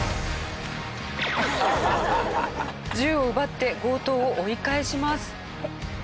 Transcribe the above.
銃を奪って強盗を追い返します。